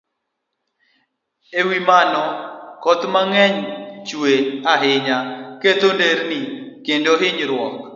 E wi mano, koth mang'eny ma chue, hinyo ketho nderni kendo kelo hinyruok.